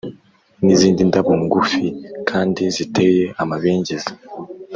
n’izindi ndabo ngufi kandi ziteye amabengeza.